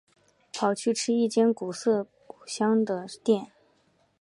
跑去吃一间古色古香的店